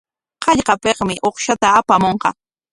Hallqapikmi uqshata apamunqa.